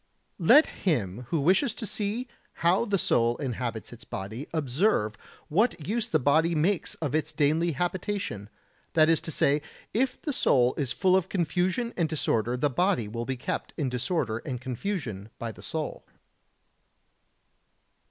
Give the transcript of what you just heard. Let him who wishes to see how the soul inhabits its body observe what use the body makes of its daily habitation; that is to say, if the soul is full of confusion and disorder the body will be kept in disorder and confusion by the soul.